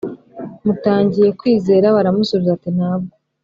mutangiye kwizera Baramusubiza bati Ntabwo